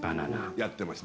やってました。